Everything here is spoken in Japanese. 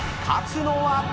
［勝つのは⁉］